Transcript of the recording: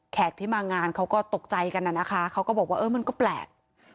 ที่มางานเขาก็ตกใจกันน่ะนะคะเขาก็บอกว่าเออมันก็แปลก